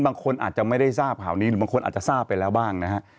บางคนอาจจะไม่ได้ทราบข่าวนี้หรือบางคนอาจจะทราบไปแล้วบ้างนะฮะ